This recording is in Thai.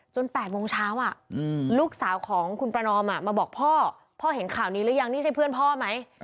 ๘โมงเช้าลูกสาวของคุณประนอมมาบอกพ่อพ่อเห็นข่าวนี้หรือยังนี่ใช่เพื่อนพ่อไหม